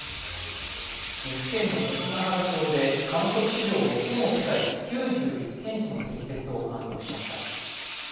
岐阜県の関ケ原町で観測史上最も深い９１ｃｍの積雪を観測しました。